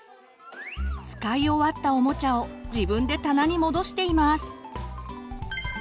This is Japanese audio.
使い終わったおもちゃを自分で棚に戻しています。